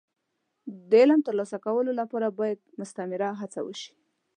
د علم د ترلاسه کولو لپاره باید مستمره هڅه وشي.